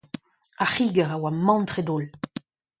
Ar c'higer a oa mantret-holl.